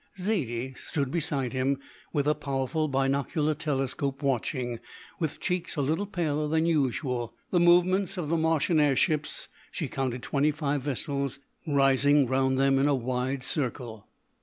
Zaidie stood beside him with a powerful binocular telescope watching, with cheeks a little paler than usual, the movements of the Martian air ships. She counted twenty five vessels rising round them in a wide circle.